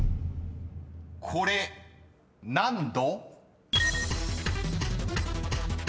［これ何度？］